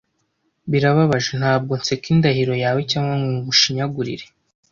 (Birababaje! Ntabwo nseka indahiro yawe cyangwa ngo ngushinyagure;)